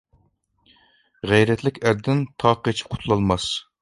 غەيرەتلىك ئەردىن تاغ قېچىپ قۇتۇلالماس.